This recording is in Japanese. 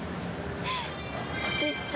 ちっちゃい！